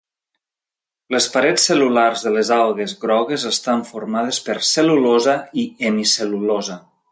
Les parets cel·lulars de les algues grogues estan formades per cel·lulosa i hemicel·lulosa.